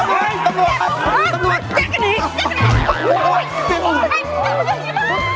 ยากกันหนี